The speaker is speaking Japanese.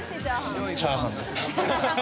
チャーハンです。